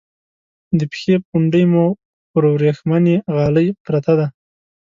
د پښې پونډۍ مو پر ورېښمینې غالی پرته ده.